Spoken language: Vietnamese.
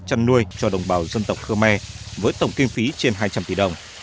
chăn nuôi cho đồng bào dân tộc khmer với tổng kinh phí trên hai trăm linh tỷ đồng